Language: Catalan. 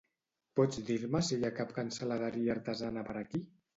Pots dir-me si hi ha cap cansaladeria artesana per aquí?